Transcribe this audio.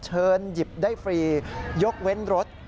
หยิบได้ฟรียกเว้นรถ